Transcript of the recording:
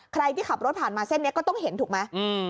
ใครที่ขับรถผ่านมาเส้นนี้ก็ต้องเห็นถูกไหม